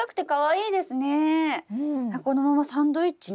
このままサンドイッチに？